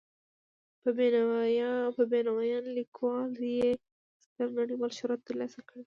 په بینوایان لیکلو یې ستر نړیوال شهرت تر لاسه کړی.